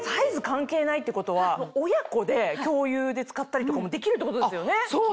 関係ないってことは親子で共有で使ったりとかもできるってことですよね。